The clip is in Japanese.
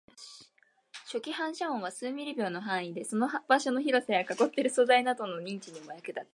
初期反射音は数ミリ秒の範囲で、その場所の広さや囲っている素材などの認知にも役立つ